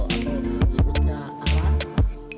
atau disebutnya alam